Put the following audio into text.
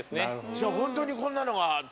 じゃあ本当にこんなのが飛んでたの？